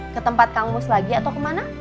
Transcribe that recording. ke tempat kampus lagi atau kemana